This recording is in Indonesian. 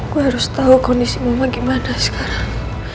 gua harus tau kondisi mama gimana sekarang